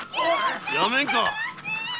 ・やめんか！